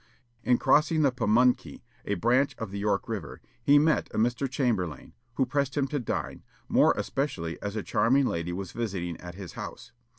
In crossing the Pamunkey, a branch of the York River, he met a Mr. Chamberlayne, who pressed him to dine, more especially as a charming lady was visiting at his house.